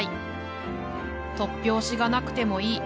突拍子がなくてもいい。